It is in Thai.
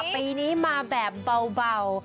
ปีนี้มาแบบเบา